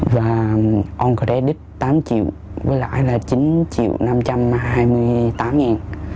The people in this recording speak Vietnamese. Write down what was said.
và on credit tám triệu với lãi là chín triệu năm trăm hai mươi tám ngàn